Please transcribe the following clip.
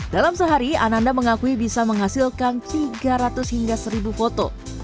dalam sehari ananda mengakui bisa menghasilkan tiga ratus hingga seribu foto